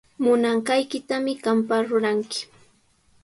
Munanqaykitami qamqa ruranki.